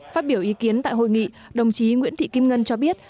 phát biểu ý kiến tại hội nghị đồng chí nguyễn thị kim ngân cho biết